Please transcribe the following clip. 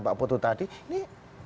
pak putu tadi ini